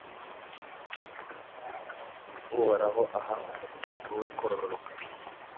uhoraho aha umuryango we kororoka